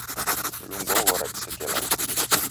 Mlungu oghora diseke laka